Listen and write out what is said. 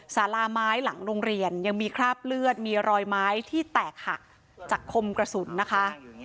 สาราไม้หลังโรงเรียนยังมีคราบเลือดมีรอยไม้ที่แตกหักจากคมกระสุนนะคะ